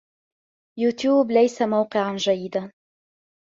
يوتيوب ليس موقعًا جيدا.